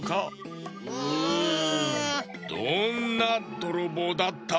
どんなどろぼうだった？